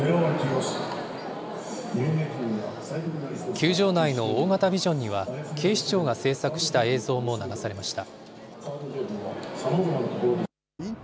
球場内の大型ビジョンには、警視庁が製作した映像も流されました。